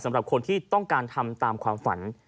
สำหรับคนที่ต้องการทำตามความฝัน